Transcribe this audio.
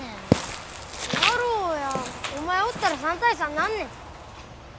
お前おったら３対３になんねん。